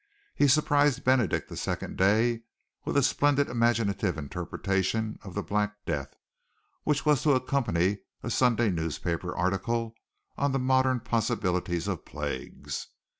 He surprised Benedict the second day with a splendid imaginative interpretation of "the Black Death," which was to accompany a Sunday newspaper article upon the modern possibilities of plagues.